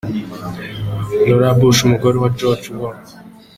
Laura Bush, umugore wa George W.